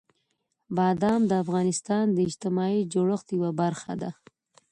بادام د افغانستان د اجتماعي جوړښت یوه برخه ده.